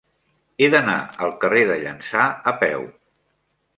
He d'anar al carrer de Llança a peu.